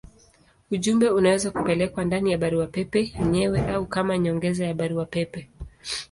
Ujumbe unaweza kupelekwa ndani ya barua pepe yenyewe au kama nyongeza ya barua pepe.